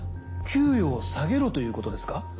給与を下げろということですか？